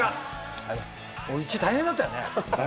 うち、大変だったよね？